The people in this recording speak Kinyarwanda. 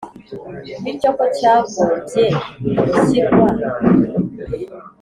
bityo ko cyagombye gushyirwa